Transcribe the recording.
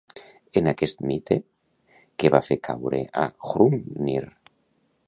En aquest mite, què va fer caure a Hrungnir?